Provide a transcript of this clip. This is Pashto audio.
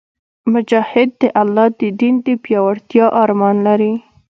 مجاهد د الله د دین د پیاوړتیا ارمان لري.